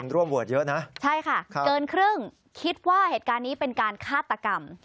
ร่วมโหวตเยอะนะใช่ค่ะเกินครึ่งคิดว่าเหตุการณ์นี้เป็นการฆาตกรรม